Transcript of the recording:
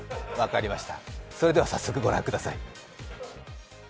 分かりました、それでは早速御覧ください。